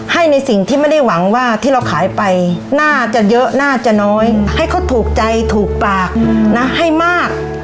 ให้ในสิ่งที่ไม่ได้หวังว่าที่เราขายไปน่าจะเยอะน่าจะน้อยให้เขาถูกใจถูกปากนะให้มาก